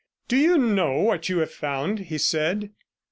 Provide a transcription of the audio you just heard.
'Do you know what you have found?' he said.